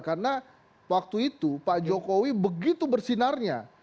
karena waktu itu pak jokowi begitu bersinarnya